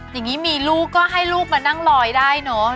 อย่างนี้มีลูกก็ให้ลูกมานั่งลอยได้เนอะ